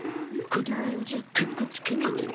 子ども用じゃかっこつかないゾ。